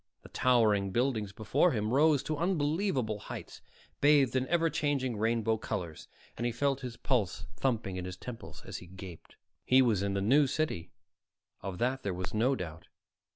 The towering buildings before him rose to unbelievable heights, bathed in ever changing rainbow colors, and he felt his pulse thumping in his temples as he gaped. He was in the New City, of that there was no doubt.